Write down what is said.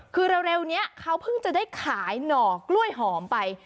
คือเร็วนี้เขาเพิ่งจะได้ขายหน่อกล้วยหอมไป